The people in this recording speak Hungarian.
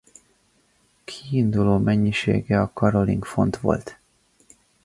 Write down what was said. Kiinduló mennyisége a karoling font volt.